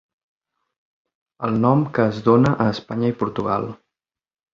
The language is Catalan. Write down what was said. El nom que es dona a Espanya i Portugal.